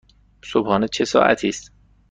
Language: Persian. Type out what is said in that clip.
صبحانه چه ساعتی است؟